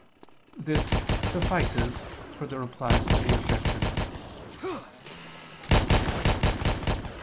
This suffices for the Replies to the Objections.